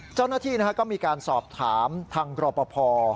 เจ้าหน้าที่ก็มีการสอบถามทางรอปภ